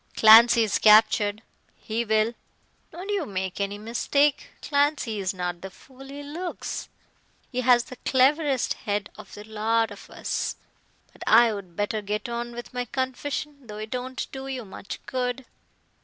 "Clancy is captured he will." "Don't you make any mistake. Clancy is not the fool he looks. He has the cleverest head of the lot of us. But I'd better get on with my confession, though it won't do you much good."